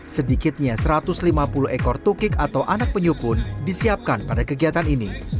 sedikitnya satu ratus lima puluh ekor tukik atau anak penyu pun disiapkan pada kegiatan ini